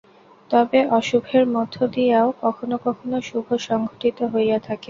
তবে অশুভের মধ্য দিয়াও কখনও কখনও শুভ সংঘটিত হইয়া থাকে।